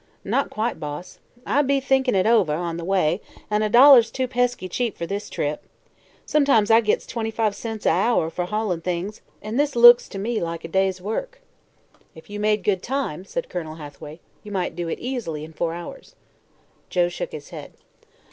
"Not quite, Boss. I be'n thinkin' it over, on the way, an' a dollar's too pesky cheap fer this trip. Sometimes I gits twenty five cents a hour fer haulin' things, an' this looks to me like a day's work." "If you made good time," said Colonel Hathaway, "you might do it easily in four hours." Joe shook his head.